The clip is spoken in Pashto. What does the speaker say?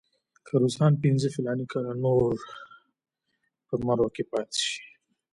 که روسان پنځه فلاني کاله نور په مرو کې پاتې شي.